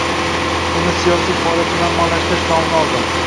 Uning siyosiy faoliyati “normallashtirish” nomini oldi